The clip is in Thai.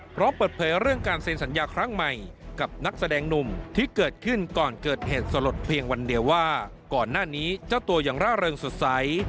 พร้อมเปิดเผยเรื่องการเซ็นสัญญาครั้งใหม่กับนักแสดงหนุ่มที่เกิดขึ้นก่อนเกิดเหตุสลดเพียงวันเดียวว่าก่อนหน้านี้เจ้าตัวยังร่าเริงสดใส